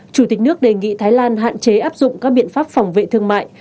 chủ tịch nước đề nghị thái lan hạn chế áp dụng các biện pháp phòng vệ thương mại